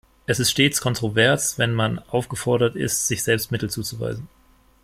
Es ist stets kontrovers, wenn man aufgefordert ist, sich selbst Mittel zuzuweisen.